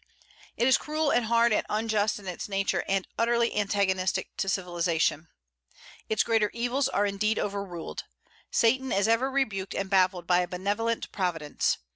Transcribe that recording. It is cruel and hard and unjust in its nature, and utterly antagonistic to civilization. Its greater evils are indeed overruled; Satan is ever rebuked and baffled by a benevolent Providence.